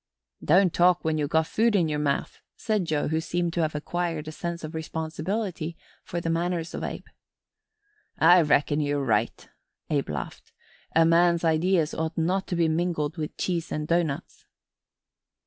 "Don't talk when you've got food in your mouth," said Joe who seemed to have acquired a sense of responsibility for the manners of Abe. "I reckon you're right," Abe laughed. "A man's ideas ought not to be mingled with cheese and doughnuts."